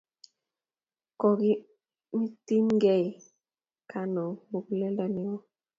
Kukimitinikei kano muguleldo neo